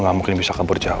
lo gak mungkin bisa kabur jauh